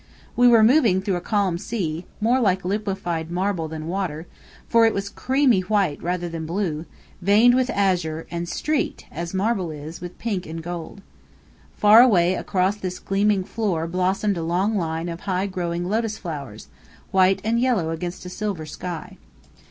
We were moving through a calm sea, more like liquefied marble than water, for it was creamy white rather than blue, veined with azure, and streaked, as marble is, with pink and gold. Far away across this gleaming floor blossomed a long line of high growing lotus flowers, white and yellow against a silver sky.